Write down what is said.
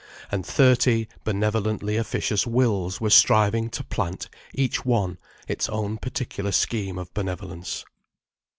And thirty benevolently officious wills were striving to plant each one its own particular scheme of benevolence.